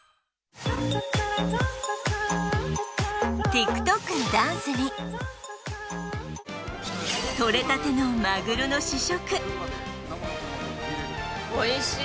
ＴｉｋＴｏｋのダンスに、とれたてのまぐろの試食。